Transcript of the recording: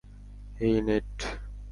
হেই, net.